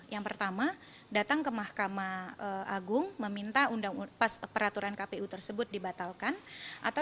yang pertama datang ke mahkamah agung meminta undang undangnya